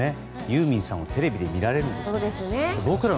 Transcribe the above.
ユーミンさんをテレビで見られるから。